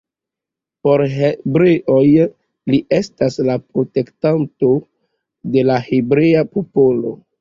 Por hebreoj li estas la protektanto de la hebrea popolo.